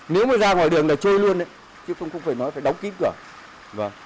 nếu mà ra ngoài đường là chơi luôn chứ không phải nói phải đóng kíp cửa